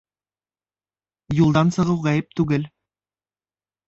Юлдан сығыу ғәйеп түгел